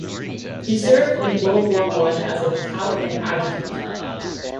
He served in World War One as a battalion adjutant.